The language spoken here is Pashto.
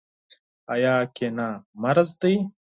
آیا کینه مرض دی؟